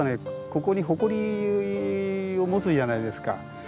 ここに誇りを持つじゃないですか。